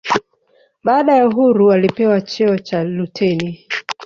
baada ya uhuru alipewa cheo cha luteni